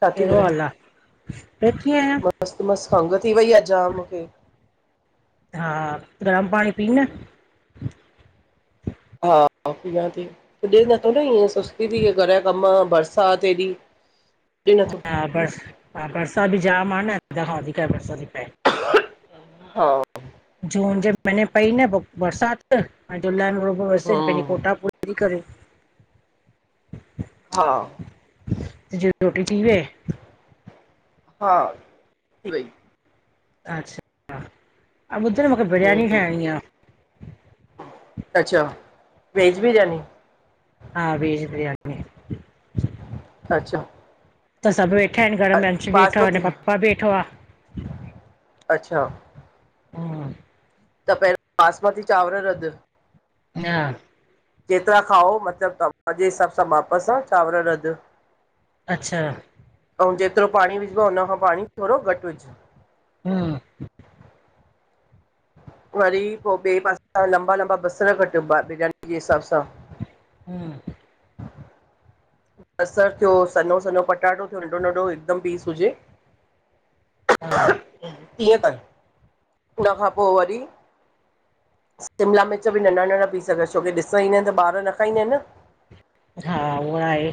छा थी करे हाल आ? वेठी आहियां। मस्तु मस्तु। खंघ थी वई आहे जाम मुखे। हा, गरम पाणी पीउ न। हा पिया थी, पुज़े नथो न् इअं त। दीदी हे घर जा कम्, बरसाति हेॾी, पूज़े नथो। हा बर हा बरसात जाम आहे न, अध खां वधीक बरसात थी पए। हा। जून जे महीने पई न पो बरसाति, हाड़े जूलाई में रुगो वसे पहिंजे हम्म कोटा पुरी। फिरी करे। हा। तुहिंजी रोटी थी वये? हा, थी वई। अच्छा, हा ॿुध् न मूंखे हम्म बिरयानी ठाहिणी आहे अच्छा! वेज बिरयानी? हा। वेज़ बिरयानी। अच्छा। त सभु वेठा आहिनि घर में, अंश बि वेठो आहे, बासमती हिनयो पपा बि वेठो आहे। अच्छा। हा। त पहिरों बासमती चांवर रधु। हा। जेतिरा खाओ मतिलबु तव्हांजे हिसाब सां, मापं् सां, चांवर रधु। अच्छा। ऐं जेतिरो पाणी विझबो हुनखां पाणी थोरो घटि विझ। हा। वरी पोइ ॿिए पासे लंबा लंबा बसर कटियोा बिरयानी जे हिसाब सां। हा। बसर थियो, सन्हो- सन्हो पटाटो थियो, नंढो- नंढो हिकदमि पीस हुजे। हा कीअं कनि, उनखां पोइ वरी शिमला मिर्च बि नंढा नंढा पीस् कर, छोकी ॾिसणु ईंदा आहिनि त ॿार न खाईंदा आहिनि न? हा, उहा आहे।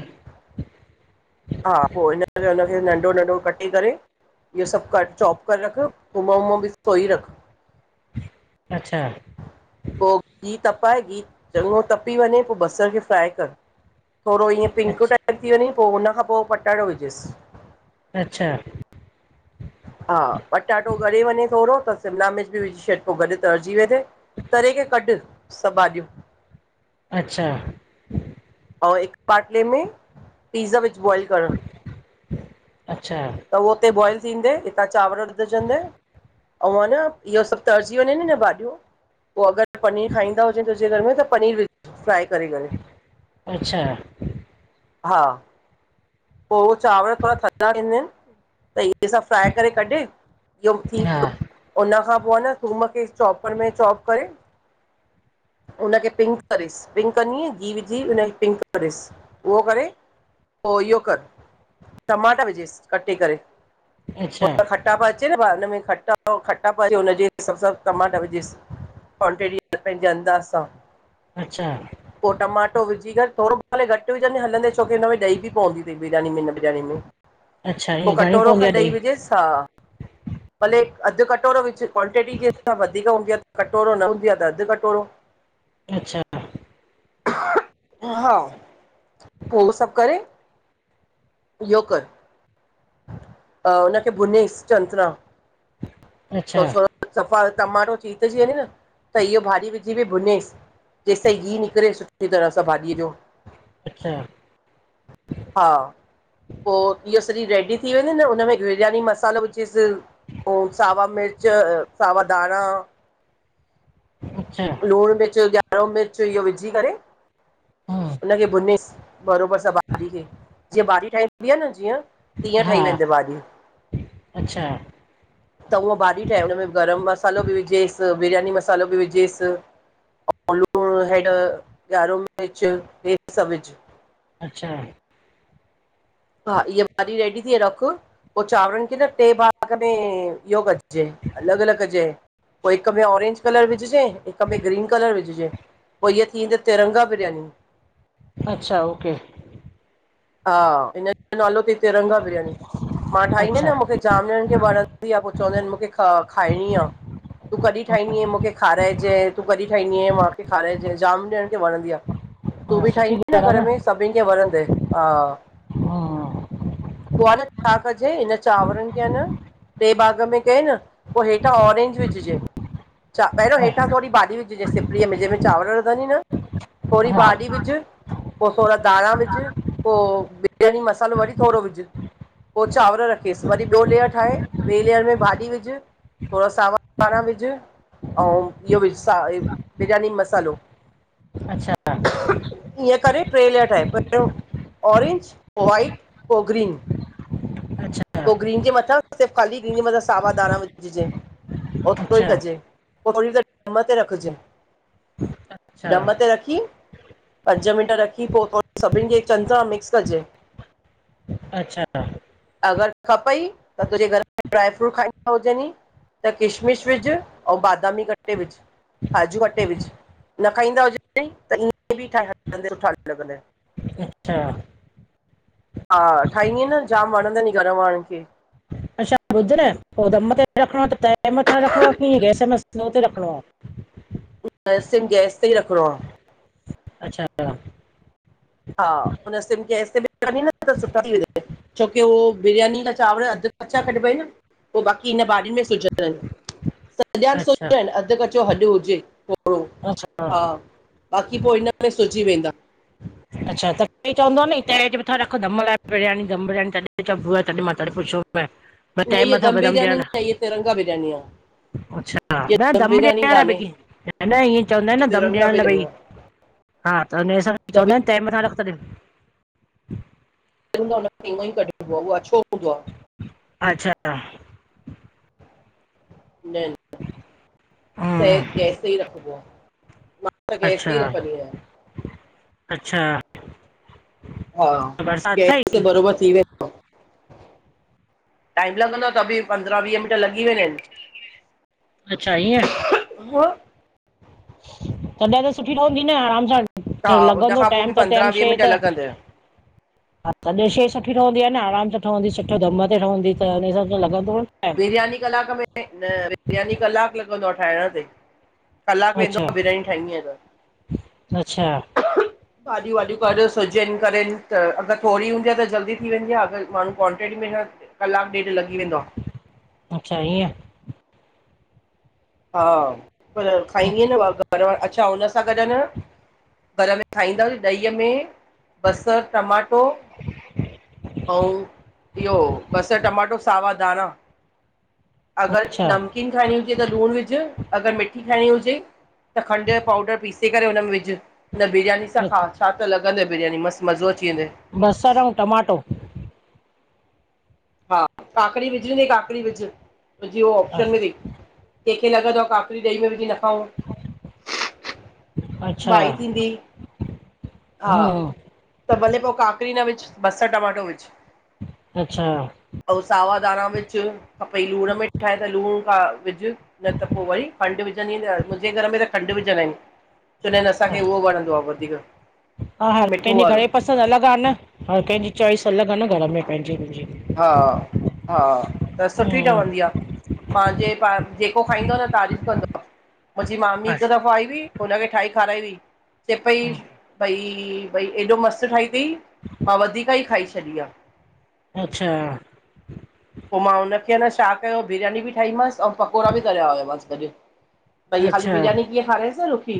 हा पोइ हिन करे हुनखे नंढो - नंढो कटे करे इहो सभु कट चॉप करे रख, थूम वूम बि सोई रख। अच्छा। पोइ घिहु तपाए, घिहु चङो तपी वञे पोइ बसर खे फ्राए कर। थोरो ईअं पिंक अच्छा टाइप थी वञे, पोइ हुनखां पोइ पटाटो विझसि। अच्छा। हा पटाटो ॻड़े वञे थोरो, त शिमला मिर्च बि विझी छॾ, पोइो गॾु तरिजी वेदे। तरे करे कढ, सभु भाॼियूं। अच्छा। ऐं हिक बाटले में पिज़् विझ बॉइल करणु। अच्छा। त उहो उते बॉइल थींदे, हितां चांवर रधजंदे। ऐं अ न इहो सभु तरजी वञे न न भाॼियूं, पोइ अगरि पनीर खाईंदा हुजनि तुंहिंजे घर में, त पनीर विझ फ्राए करे करे। अच्छा। हा। पो उ चांवर थोड़ा थधा थींदा आहिन, त हे सब फ्राए करे कढे, इयो थी हा वियो। हुनन खां पो न थूम खे चॉपर में चॉप करे हुनखे पिंक करिस, पिंक कंदीअ घी विझी हुनखे पिंक करिस, उहो करे पो इयो कर, टमाटा विझिस कटे करे, पो अच्छा त खट खटा प अचे न हुन में खटा- खटाप अचे हुन जे हिसाब सां टमाटा विझेसि। क्वांटिटी पंहिंजे अंदाज़ सां। अच्छा। पो टमाटो विझी करे थोड़ो भले घट विझंदिअ हंलदे छोकि् हिन में ड्हि बि पवंदी थई बिरयानी में, हिन बिरयानी में। अच्छा पो ईअं घणी कटोरो पवंदी खन आहे ॾई ॾही विझेस, हा। भले अध कटोरो विझ, क्वांटिटी जेसां वधीक हूंदी आ कटोरो न हूंजे आं त अध कटोरो अच्छा। हा, पो हू सब करे इयो कर अ हुन खे भुंञिस चंग त्रां, अच्छा त ओ सो सफ़ा टमाटो चीथजी वंञे न, त इअ भाॼी विझी बि भुंञेस। जेस ताईं घी निकरेस सुठी तरह सां भाॼीअ जो। अच्छा। हा, पो इअ सॼी रेडी थी वंञे न, हुन में बिरयानी मसालो विझिस। पो सावा मिर्च, सावा धाणा अच्छा। लूण मिर्च, गा्ढो मिर्च इयो विझी करें हम्म हुनखे भुंञेस, बरोबर सां भाॼी खे, जीअं भाॼी ठाहिदी आ न जीअं, तीअं हा ठाइंदा आहिन इअ भाॼी। अच्छा। त हूअं भाॼी ठाहे हुन में गरम मसालो बि विझेसि, बिरयानी मसालो बि विझेसि। लूण, हेड्, गा्डो मिर्च, हे सब विझ। अच्छा। हा, इहा भाॼी रेडी थी रख पो चांवरनि खे न टे भाॻ में, इहो कॼे अलॻ अलॻ कॼे। पो हिक में ऑरेंज कलर विझजंए, हिक में ग्रीन कलर विझजंए, पो इअ थी त तिरंगा बिरयानी। अच्छा, ओके। हा हिन जो नालो थई तिरंगा बिरयानी। मां ठाहींदी आं अच्छा न मूंखे जाम ॼणनि खे वणंदी आ। पो चवंदा आहिनि मूंखे ख खाइणी आ। तूं कॾहिं ठाहींदीअं, मूंखे खाराएजंए, तूं कॾहिं ठाहींदीअं, मूंखे खाराइंजंए, जाम ॼणनि खे वणंदी आ। तूं हा बि सुठी ठाहींदी न ॻाल्हि घर में आहे सभिन खे वणंदय। हम्म पो आ न छा कजे, हिन चांवरनि खे अं न टे भाग में कयई न, पो हेठां ऑरेंज विझजे। चा पहिरियों हेठां थोड़ी भाॼी विझजे सिपरीअ में, जंहिंमें चांवर रधंदीय न। थोड़ी हा भाजी विझ, पो थोड़ा धाणा विझ। पो बिरयानी मसालो वरी थोड़ो विझ। पो चांवर रखिस, वरी ॿियो लेयर ठाहे, ॿिए लेयर में भाॼी विझु। थोड़ा सावा धाणा विझ। अंउ इयो विझ स बिरयानी मसालो। अच्छा ईअं करे ट्रै लेयर ठाहे, पहिरियों ऑरेंज, पो वाइट, पो ग्रीन। अच्छा अच्छा पोइ ग्रीन जे मथां सिर्फ ख़ाली ग्रीन जे मथां सावा धाणा् विझजे, ओतिरो ई अच्छा कजे। पो थोरी देर डम ते रखजनि, डम ते रखी। पंज मिंट रखी, पोइ थोरो सभिनि खे चङ तरह मिक्स कजे। अचछा अगरि खपई, त तुंहिंजे घर में ड्राईफ्रूट खाईंदा हुजनि ई? त किशमिश विझु, ऐं बादामी कटे विझु। काजू अटे विझु, न खाईंदा हुज त ईअं बि ठा हलंद सुठा् लॻंद। अच्छा हा, ठाहींदीअ न जाम वणंदा घर वारनि खे। अ्छा ॿुध न, पोइ दम ते रखिणो आहे त, तए मथ रखिणो आहे की, गैस में स्लो ते रखिणो आहे? गैस सिम गैस ते ई रखणो आहे। अचछा हा, हुनस्त सिम गैस ते रखनिय त सुठा थी वेंदिय, छोकी उह बिरयानी जा चांवर। त कचा कटिबा आहिनि, पोइ बाक़ी हिन ॿारनि में सुजंदा आहिनि। सॼाण अच्छा सुत आहिनि अधु कचो हॾु हुजे थोरो, अच्छा हा। बाक़ी पोइ हिनाणे सुजी वेंदा। अच्छा तॾी चवंदो न त मथां रखधम लाइ बिरयानी, दम बिरयानी तॾहिं चबो आहे तॾहिं मां तॾहिं पुछो। न इ दम बिरयानी न, इहे तिरंगा बिरयानी आहे। अच्छा, इहा न दम बिरयानी ॾियण लाइ कान्हे भई इहा क न इअं चवंदा आहिनि न दम तिरंगा ॾियण लाइ बिरयानी भई। आहे हा त हुनजे हिस दम चवंदा आहिनि तये मथां रख् त दि्। सि हुन खे ईन्दो ई कढिबो उहो अछो हूंदो आहे। अचछा न। ई तए हम्म गैस ते ही रखबो् आ। मां त अच्छा अच्छा हा, बरसाति गैस तै अथई बरोबर थीं वेंदो। टाइम लॻंदो आहे त बि पंद्रहं वीह मिंट लॻी वेंदा आहिनि। अच्छा ईएंं हा तॾहिं त सुठी रहंदी न आराम सां हा त् हुन लॻंदो खां पोइ बि टाइम त टम पंद्रहं वीह शइ मिंट त लॻंदव हा तदहिं शइ सुठी ठहंदी आहे न, आरामु सां ठहंदी सुठो दम ते ठहंदी, त हुन हिसाब सां लॻंदो न टाइम। बिरयानी कलाक में न, बिरयानी कलाक लॻंदो आहे ठाहिण ते कलाकु वेंदो अच्छा आहे बिरयानी ठाहींदी आहियां अच्छा त। भाॼियूं वाॼियूं कर सिजनि करेनि त अगरि थोरी हूंदी आहे त जल्दी थी वेंदी आहे, अगरि माण्हू क्वांटिटी में न कलाकु ॾेढ लॻी वेंदो आ। अचछा ईअं। हा पर खाईंदीअ न, घर वार अच्छा हुन सां असां गॾु न, घर में खाईंदासी ॾहीअ में बसरुि, टमाटो ऐं इहो बसरि, टमाटो सावा गा्रा अगर अच्छा नमकीन खाईंड़ी हुजे त् लूण वि विझ, अगरि मिठी ठाहिणी हुजे त खंडु जो पाउडर पीसे करे हुन में विझु। हुन बिरयानी सां खाउ छा त लॻंद बिरयानी, मस्तु मज़ो अची वेंदइ। बसरु ऐं टमाटो? हा काकड़ी विझींदी काकड़ी विझ जी उो ऑप्शन में थी। कंहिंखे लॻंदो आहे, काकड़ी द्ही में विझी न खाऊं। अच्छा वाई थींदी? हा। हम्म त भले पोइ काकड़ी न विझ, बसर टमाटो विझ। अचछा ऐं सावा धाणा विझ खपई लूण में ठाहे त लूणु विझु न त पोइ वरी खंडु विझंदी न मुंहिंजे घर में त खंडु विझंदा आहिन। चवंदा आहिनि। असांखे हा उहो वणंदो आहे वधीक, हर मिठो कंहिंजी वारो। घणे अलॻि आहे न, हर कंहिंजी चॉइस अलॻि आहे न घर में, पंहिंजी-मुंहिंजी। हा हा त सुठी हम्म ठवंदी आ। माहिंजे पाहिंजे पा जेको खाईंदो न तारीफ़ु कंदो, मुंहिंजी मामी हिकु अच्छा दफ़ो आई हुई। हुनखे ठाहे खाराई हुई, चे पई भई -भई एॾो मस्तु ठाही अ ति मां वधीक ई खाई छॾी आ। अच्छा पो मां हुनखे अन छा कयो बिरयानी बि ठाहीमांस, ऐं पकोड़ा बि तरया हुयामसि गॾु। भईया खाली अच्छा बिरयानी कीअ खा रे स रुखी।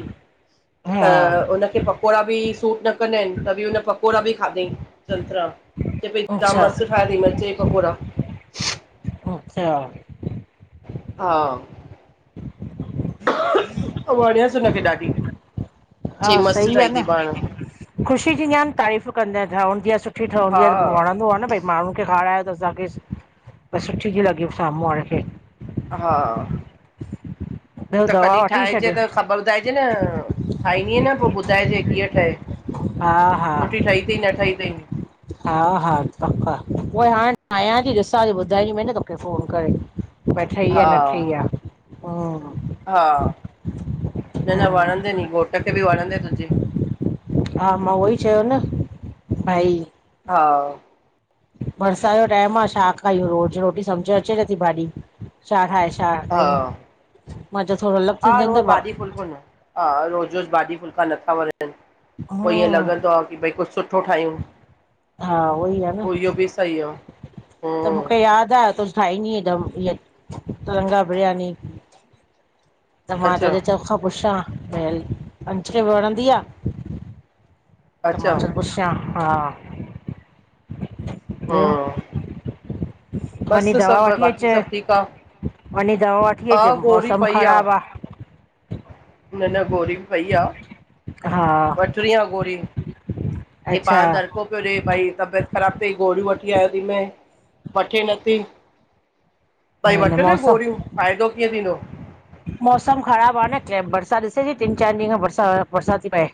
हा त उनखे पकोड़ा बि सूट न कंदा आहिनित बि उन पकोड़ा बि खाधई। संतरा चए पई अच्छा मस्त ठाती मिर्चाई पकोड़ा। अच्छा हा वणयासि हुनखे ॾाढी। चई हा मस्तु सही आहे ठाही न। अथई पाण ख़ुशी थींदी आहे, न तारीफ़ कंदा ठहंदी आहे, सुठी ठहंदी हा आहे, त पोइ वणंदो आहे न भई माण्हूनि खे खारायो त असांखे ब सुठी थी लॻे साम्हूं वारे खे। हा ॿियो त दवा कॾहिं वठी ठाहिजईं छॾियो त ख़बर ॿुधाइजईं न ठाहींदीअ न पोइ ॿुधाइजे कीअं ठहे। हा हा सुठी ठही अथई न ठही थई। हा हा पक पोइ हाणे ठायां थी ॾिसां थी ॿुधाईंदीमईं न तोखे फ़ोन करे। भई ठही हा आहे न ठही आह, हा हा न न वणंदए हम्म नी घोट खे बि वणंदए तुंहिंजे हा मां उहो ई चयो न भाई हा बरसाति जो टाइम आहे छा खाईयूं? रोज़ु रोटी सम्झ में अचे नथी भाॼी। छा ठाहे छा हा कयूं? मां चयो त थोड़ो अलग हा थींदो रोज़ त भाॼी फुल्को हा रोज़ु रोज़ु भाॼी फुल्का नथा वणनि पोइ ईअं हम्म लॻंदो आहे, की भई कुझु सुठो सुठो ठाहियू। हा उहोई आहे न। सही आह। त मूंखे यादि आहे। तूं ठाहींदीअ त इअ तिरंगा बिरयानी। त मां अच्छा [unintelligible] पुछां? [unintelligible] वणंदी आह। मां अच्छा चयमयं पुछां? हा ॿियो? हम्म वञी बसि दवा सभु वठी बाक़ी अचे। सभु ठीकु आहे वञी दवा वठी अच, हा गोरी मौसम पई ख़राब आ। आहे न, न गोरी बि पई आह। हा वठणी आ गोरी, ही अच्छा पाण धॾिको पियो ॾिए भई तबियत ख़राबु थई गोरियूं वठी आयो थी मए वठे नथी भाई वठु न गोरियूं फ़ाइदो कीअं थींदो। मौसम ख़राब आ न, बरसात ॾिसे थी टिन चारि ॾींहं खां बरसा, बरसात थी पए।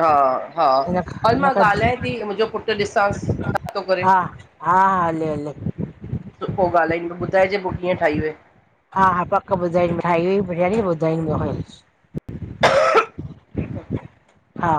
हा, हा इन हल इन मां खां ॻाल्हायां थी मुंहिंजो पुटु ॾिसांस। हा, हा, हा हले, हले। सु पोइ ॻाल्हाईं ॿुधाइजे पोइ कीअं ठाई वय। हा, हा पक ॿुधाई ठाई हुई बिरयानी ॿुधाईंद ठीकु आ। हा।